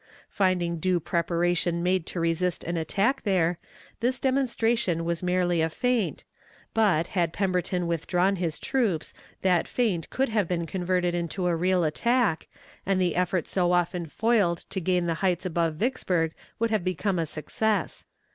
Finding due preparation made to resist an attack there, this demonstration was merely a feint, but, had Pemberton withdrawn his troops, that feint could have been converted into a real attack, and the effort so often foiled to gain the heights above Vicksburg would have become a success.